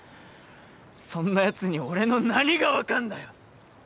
そんなやつに俺の何が分かんだよ！